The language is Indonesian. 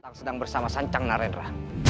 saat sedang bersama sancang narendra